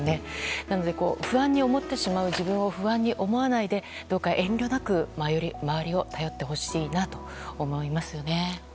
なので、不安に思ってしまう自分を不安に思わないでどうか遠慮なく周りを頼ってほしいと思います。